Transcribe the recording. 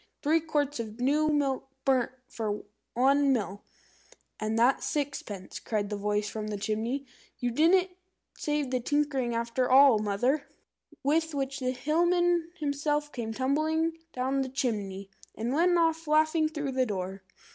Three quarts of new milk burnt for one meal!" "And that's sixpence," cried the voice from the chimney. "You didn't save the tinkering after all Mother!" With which the Hillman himself came tumbling down the chimney, and went off laughing through the door.